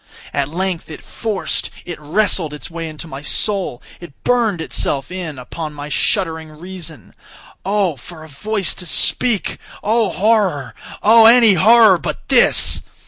At length it forced—it wrestled its way into my soul—it burned itself in upon my shuddering reason. Oh! for a voice to speak!—oh! horror!—oh! any horror but this!